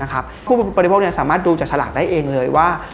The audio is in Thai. ผู้บริโภคสามารถดูจากฉลากได้เองเลยว่า